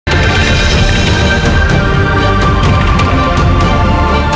saya sering mengumpulkan diri tentang ini